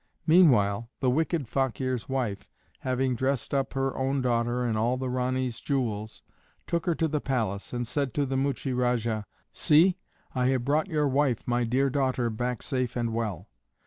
Meanwhile, the wicked Fakeer's wife, having dressed up her own daughter in all the Ranee's jewels, took her to the palace, and said to the Muchie Rajah, "See, I have brought your wife, my dear daughter, back safe and well."